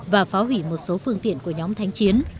và phá hủy một số phương tiện của nhóm thanh chiến